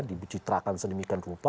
dicitrakan sedemikian rupa